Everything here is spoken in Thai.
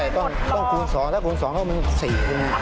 โตงงค์สองถ้าโตงคือสองเขามีสี่